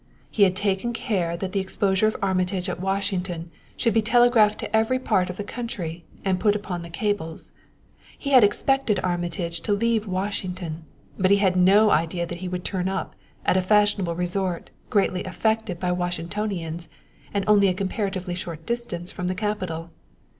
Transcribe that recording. He had taken care that the exposure of Armitage at Washington should be telegraphed to every part of the country, and put upon the cables. He had expected Armitage to leave Washington, but he had no idea that he would turn up at a fashionable resort greatly affected by Washingtonians and only a comparatively short distance from the capital.